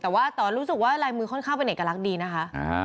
แต่รู้สึกว่าลายมือเขาเป็นเอกลักษณ์ดีนะคะ